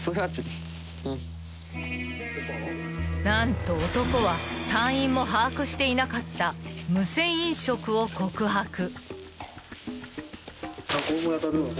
［何と男は隊員も把握していなかった無銭飲食を告白］